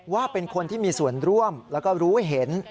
ว่าเป็นคนที่มีส่วนร่วมแล้วก็รู้เห็น